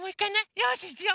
よしいくよ。